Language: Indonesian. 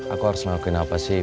aku harus melakukan apa sih